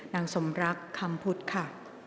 นางสมรักคำพุทธค่ะ